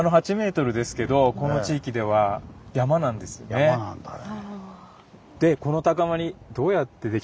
山なんだね。